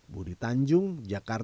budi tanjung jakarta